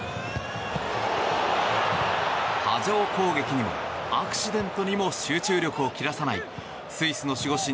波状攻撃にもアクシデントにも集中力を切らさないスイスの守護神